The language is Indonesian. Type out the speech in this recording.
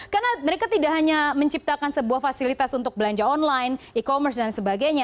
karena mereka tidak hanya menciptakan sebuah fasilitas untuk belanja online e commerce dan sebagainya